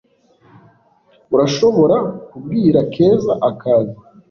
Urashobora kubwira Keza akaza